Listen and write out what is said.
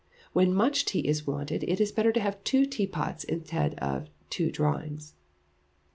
When much tea is wanted, it is better to have two tea pots instead of two drawings.